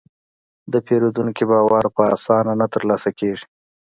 د پیرودونکي باور په اسانه نه ترلاسه کېږي.